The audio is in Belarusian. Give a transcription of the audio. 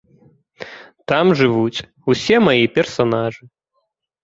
Там жывуць усе мае персанажы.